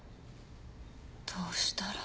どうしたら。